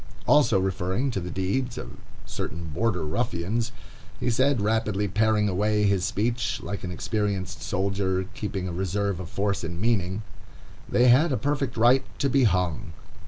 Also referring to the deeds of certain Border Ruffians, he said, rapidly paring away his speech, like an experienced soldier, keeping a reserve of force and meaning, "They had a perfect right to be hung."